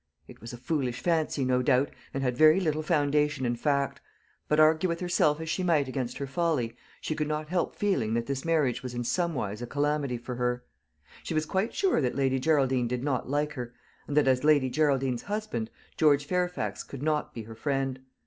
It was a foolish fancy, no doubt, and had very little foundation in fact; but, argue with herself as she might against her folly, she could not help feeling that this marriage was in somewise a calamity for her. She was quite sure that Lady Geraldine did not like her, and that, as Lady Geraldine's husband, George Fairfax could not be her friend.